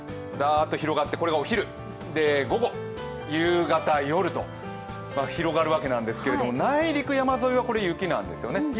だーっと広がって、これがお昼、午後、夕方、夜と広がるわけなんですけど内陸、山沿いは雪なんですよね。